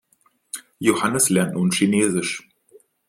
Johannes lernt nun Chinesisch.